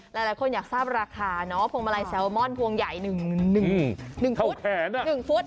หลายคนอยากทราบราคาพวงมาลัยแซลมอนพวงใหญ่๑ฟุตแขน๑ฟุต